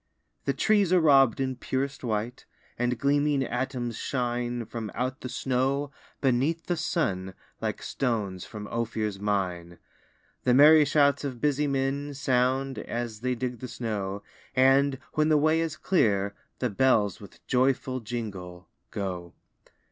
The trees are rob'd in purest white, And gleaming atoms shine From out the snow, beneath the sun, Like stones from Ophir's mine. The merry shouts of busy men Sound, as they dig the snow; And, when the way is clear, the bells With joyful jingle, go.